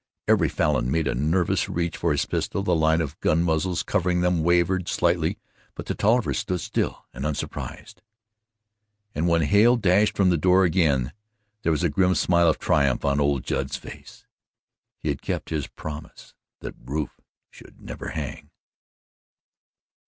Every Falin made a nervous reach for his pistol, the line of gun muzzles covering them wavered slightly, but the Tollivers stood still and unsurprised, and when Hale dashed from the door again, there was a grim smile of triumph on old Judd's face. He had kept his promise that Rufe should never hang.